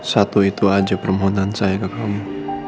satu itu aja permohonan saya ke kamu